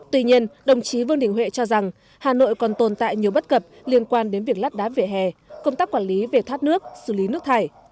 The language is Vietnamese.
tuy nhiên đồng chí vương đình huệ cho rằng hà nội còn tồn tại nhiều bất cập liên quan đến việc lát đá vỉa hè công tác quản lý về thoát nước xử lý nước thải